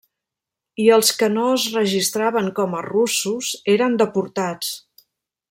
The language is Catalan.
I els que no es registraven com a russos eren deportats.